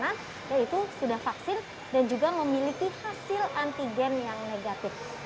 yaitu sudah vaksin dan juga memiliki hasil antigen yang negatif